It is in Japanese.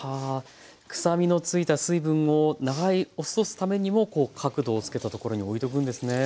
くさみのついた水分を流れ落とすためにもこう角度をつけたところにおいておくんですね。